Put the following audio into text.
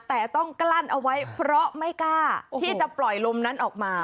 แต่ต้องกลั้นเอาไว้เพราะไม่กล้าที่จะปล่อยลมนั้นออกมา